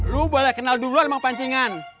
lu boleh kenal duluan emang pancingan